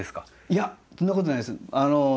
いやそんなことないです。